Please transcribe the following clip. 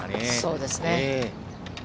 そうですね。